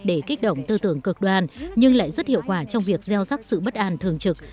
để kích động tư tưởng cực đoan nhưng lại rất hiệu quả trong việc gieo rắc sự bất an thường trực